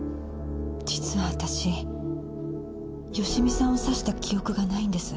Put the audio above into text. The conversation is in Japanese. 実は私芳美さんを刺した記憶がないんです。